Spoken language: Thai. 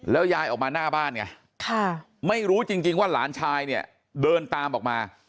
ยายออกมาหน้าบ้านไงไม่รู้จริงว่าหลานชายเนี่ยเดินตามออกมา